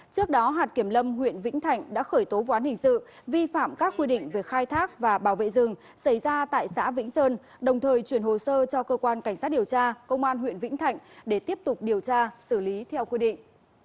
trước đó hạt kiểm lâm huyện vĩnh thạnh đã khởi tố vụ án hình sự vi phạm các quy định về khai thác và bảo vệ rừng xảy ra tại xã vĩnh sơn đồng thời chuyển hồ sơ cho cơ quan cảnh sát điều tra công an huyện vĩnh thạnh để tiếp tục điều tra xử lý theo quy định